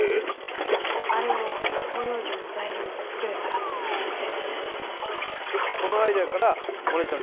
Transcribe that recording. あれを広葉樹の材料で作れたらと思いまして。